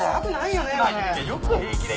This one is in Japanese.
よく平気で。